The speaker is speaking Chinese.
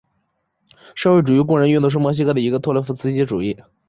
社会主义工人运动是墨西哥的一个托洛茨基主义组织。